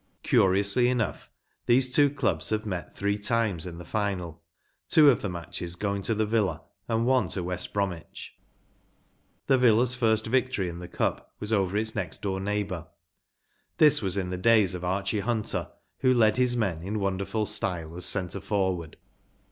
Curiously enough these two dubs have met three times in the final‚ÄĒtwo of the matches going to the Villa and one to West Bromwich, The Villa's first victory in the Cup was over its next door neighbour. This was in the days of Archie Hunter, who led his men in wonderful style as centre forward.